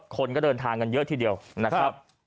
คนก็เดินทางกันเยอะทีเดียวนะครับ